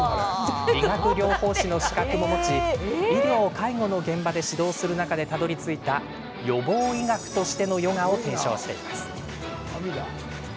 理学療法士の資格も持ち医療、介護の現場で指導する中でたどりついた予防医学としてのヨガを提唱しています。